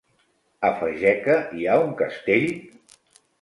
A Fageca hi ha un castell?